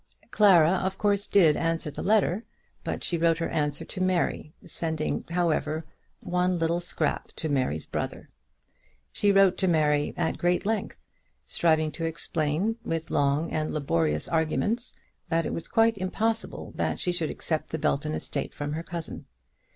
Clara, of course, did answer the letter; but she wrote her answer to Mary, sending, however, one little scrap to Mary's brother. She wrote to Mary at great length, striving to explain, with long and laborious arguments, that it was quite impossible that she should accept the Belton estate from her cousin.